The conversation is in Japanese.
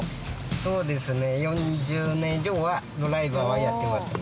そうですね４０年以上はドライバーはやってますね。